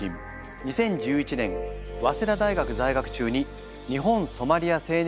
２０１１年早稲田大学在学中に日本ソマリア青年機構を設立。